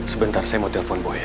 sebentar saya mau telpon boy ya